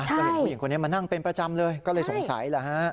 ก็เห็นผู้หญิงคนนี้มานั่งเป็นประจำเลยก็เลยสงสัยแหละฮะ